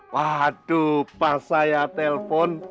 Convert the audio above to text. waduh pas saya telpon